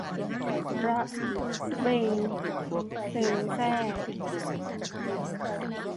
ระเบ็งเซ็งแซ่